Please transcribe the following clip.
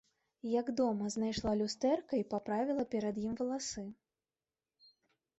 Як дома, знайшла люстэрка й паправіла перад ім валасы.